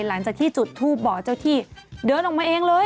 หลังจากที่จุดทูปบอกเจ้าที่เดินออกมาเองเลย